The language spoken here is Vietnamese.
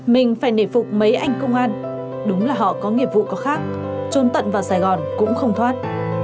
mình phải nể phục mấy anh công an đúng là họ có nghiệp vụ có khác trôn tận vào sài gòn cũng không thoát